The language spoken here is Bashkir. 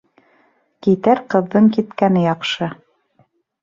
Китәр ҡыҙҙың киткәне яҡшы